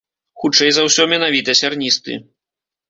Хутчэй за ўсё, менавіта сярністы.